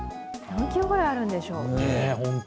何キロぐらいあるんでしょ。